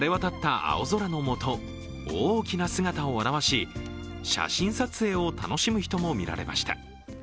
青空のもと、大きな姿を現し、写真撮影を楽しむ人も見られました。